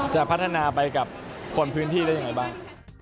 จะพัฒนาไปกับคนพื้นที่ได้ยังไงบ้าง